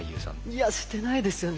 いやしてないですよね。